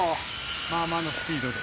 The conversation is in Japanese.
まあまあのスピードで。